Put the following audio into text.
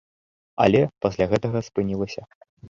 Але пасля гэтага спынілася.